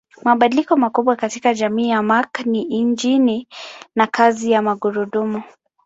Mabadiliko makubwa katika jamii ya Mark ni injini na kazi ya magurudumu.